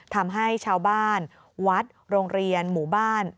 ทำให้ชาวบ้านวัดโรงเรียนหมู่บ้าน